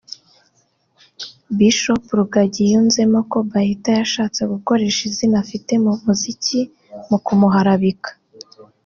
Bishop Rugagi yunzemo ko Bahati yashatse gukoresha izina afite mu muziki mu kumuharabika